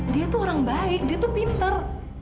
dia itu orang baik dia itu pinter